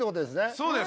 そうです